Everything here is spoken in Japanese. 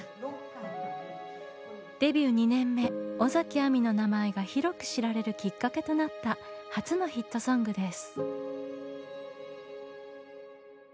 デビュー２年目尾崎亜美の名前が広く知られるきっかけとなった初のヒットソングです。